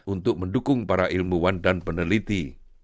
untuk mendukung para ilmuwan dan peneliti